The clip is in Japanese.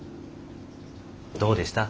どうでした？